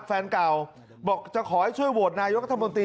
แฟนเก่าบอกจะขอให้ช่วยโหวตนายกรัฐมนตรี